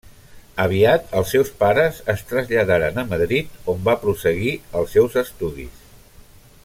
Aviat els seus pares es traslladaren a Madrid on va prosseguir els seus estudis.